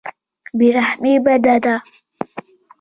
بې رحمي بده ده.